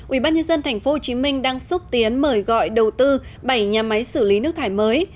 ubnd tp hcm đang xúc tiến mời gọi đầu tư bảy nhà máy xử lý nước thải mới